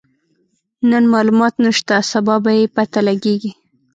نن مالومات نشته، سبا به يې پته لګيږي.